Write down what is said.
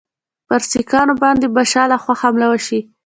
پر سیکهانو باندي به شا له خوا حمله وشي.